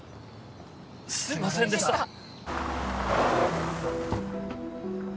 すいませんでした。